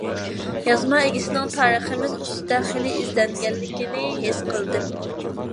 يازما ئىگىسىنىڭ تارىخىمىز ئۈستىدە خېلى ئىزدەنگەنلىكىنى ھېس قىلدىم.